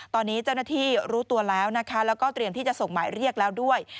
ตอนนี้เจ้าหน้าที่รู้ตัวแล้วนะคะแล้วก็เตรียมที่จะส่งหมายเรียกแล้วด้วย